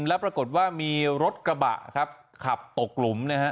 แล้วปรากฏว่ามีรถกระบะครับขับตกหลุมนะฮะ